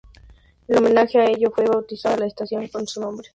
En homenaje a ello fue bautizada la estación con su nombre.